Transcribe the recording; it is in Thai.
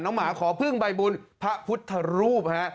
หมาขอพึ่งใบบุญพระพุทธรูปฮะ